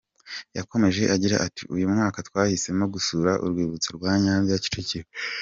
Yakomeje agira ati “Uyu mwaka twahisemo gusura urwibutso rwa Nyanza ya Kicukiro.